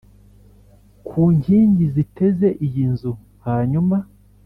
ku nkingi ziteze iyi nzu Hanyuma